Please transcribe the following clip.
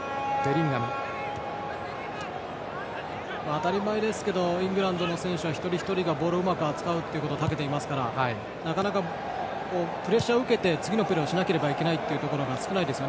当たり前ですがイングランドの選手は一人ひとりがボールをうまく扱うことにたけていますからなかなかプレッシャーを受けて次のプレーをしないといけない場面が少ないです。